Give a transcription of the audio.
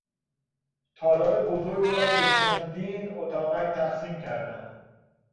تالار بزرگ را به چندین اتاقک تقسیم کردهاند.